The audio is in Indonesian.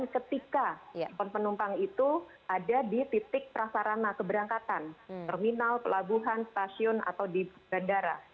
ketika penumpang itu ada di titik prasarana keberangkatan terminal pelabuhan stasiun atau di bandara